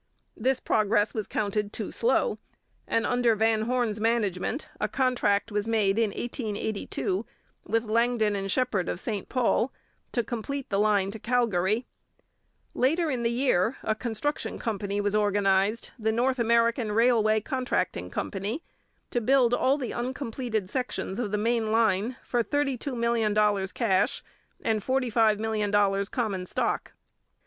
This progress was counted too slow, and under Van Horne's management a contract was made in 1882, with Langdon and Shepard of St Paul, to complete the line to Calgary. Later in the year a construction company was organized, the North American Railway Contracting Company, to build all the uncompleted sections of the main line for $32,000,000 cash and $45,000,000 common stock.